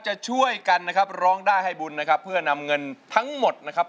จะช่วยกันนะครับร้องได้ให้บุญนะครับเพื่อนำเงินทั้งหมดนะครับ